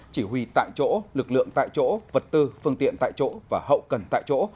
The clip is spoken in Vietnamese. chỉ huy tại chỗ lực lượng tại chỗ vật tư phương tiện tại chỗ và hậu cần tại chỗ